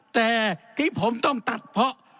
แต่ที่ผมต้องตัดเพราะ